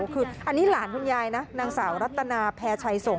คืออันนี้หลานคุณยายนะนางสาวรัตนาแพรชัยสงฆ